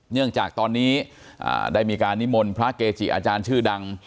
เนื่องจากตอนนี้ได้มีการนิมนต์พระเกจิอาจารย์ชื่อดัง